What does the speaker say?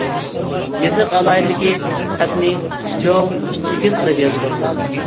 يېزىق ئالاھىدىلىكى: خەتنى چوڭ، ئېگىز قىلىپ يازىدۇ.